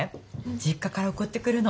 実家から送ってくるの。